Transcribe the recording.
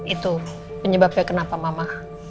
itu penyebabnya kenapa mama